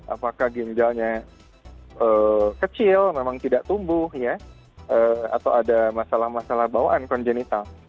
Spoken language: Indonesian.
apakah ginjalnya kecil memang tidak tumbuh ya atau ada masalah masalah bawaan kongenital